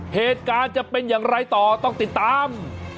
เหตุการณ์จะเป็นอย่างไรต่อต้องติดตาม